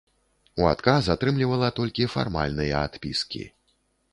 У адказ атрымлівала толькі фармальныя адпіскі.